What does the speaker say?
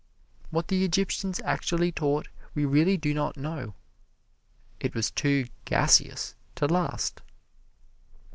What the Egyptians actually taught we really do not know it was too gaseous to last.